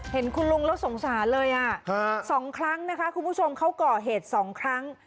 เห็นคุณลุงแล้วสงสารเลย๒ครั้งนะคะคุณผู้ชมเขาก่อเหตุ๒ครั้ง